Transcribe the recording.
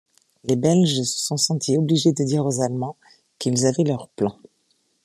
Les Belges se sont sentis obligés de dire aux Allemands qu'ils avaient leurs plans.